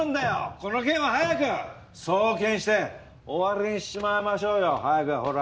この件は早く送検して終わりにしちまいましょうよ。早くほら。